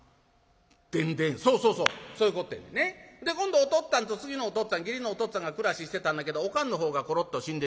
で今度おとっつぁんと次のおとっつぁん義理のおとっつぁんが暮らししてたんだけどおかんのほうがころっと死んでしもた。